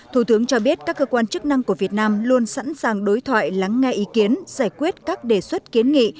thủ tướng cho biết các cơ quan chức năng của việt nam luôn sẵn sàng đối thoại lắng nghe ý kiến giải quyết các đề xuất kiến nghị